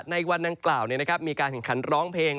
ในวันดังกล่าวมีการแข่งขันร้องเพลง